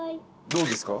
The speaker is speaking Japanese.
どうですか？